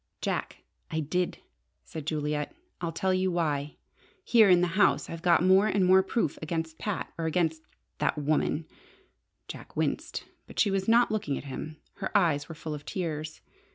"Jack, I did!" said Juliet. "I'll tell you why. Here in the house I've got more and more proof against Pat or against that woman." Jack winced, but she was not looking at him: her eyes were full of tears.